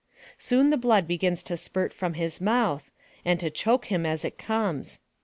Soon the blood begins to spirt from his mouth, and to choke him as it comes.